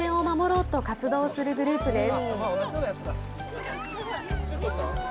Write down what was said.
地域の里山の自然を守ろうと活動するグループです。